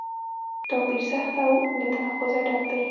توپیر سخت او له تناقضه ډک دی.